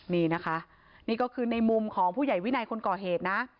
นี่นะคะนี่ก็คือในมุมของผู้ใหญ่วินัยคนก่อเหตุนะ